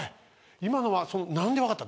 今のは何で分かった？